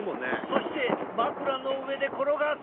そして枕の上で転がす。